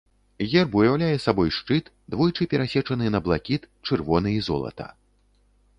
Герб уяўляе сабой шчыт, двойчы перасечаны на блакіт, чырвоны і золата.